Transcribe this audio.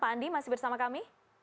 pak andi masih bersama kami